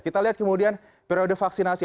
kita lihat kemudian periode vaksinasi